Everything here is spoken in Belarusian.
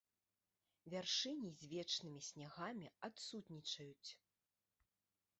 Вяршыні з вечнымі снягамі адсутнічаюць.